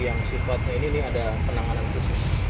yang sifatnya ini ada penanganan khusus